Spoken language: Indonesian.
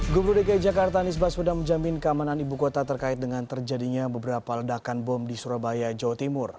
gubernur dki jakarta anies baswedan menjamin keamanan ibu kota terkait dengan terjadinya beberapa ledakan bom di surabaya jawa timur